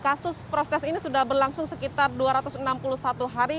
kasus proses ini sudah berlangsung sekitar dua ratus enam puluh satu hari